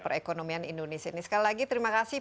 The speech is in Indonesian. perekonomian indonesia ini sekali lagi terima kasih